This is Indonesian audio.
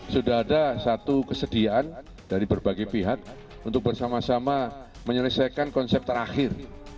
sudah ada satu kesediaan dari berbagai pihak untuk bersama sama menyelesaikan konsep terakhir